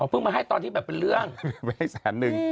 เพิ่งมาให้ตอนที่แบบเป็นเรื่อง